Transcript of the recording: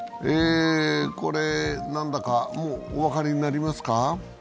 何だかお分かりになりますか？